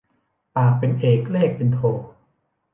ปากเป็นเอกเลขเป็นโท